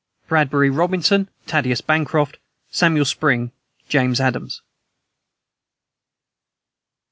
"BRADBURY ROBINSON, THADDEUS BANCROFT, "SAMUEL SPRING, JAMES ADAMS."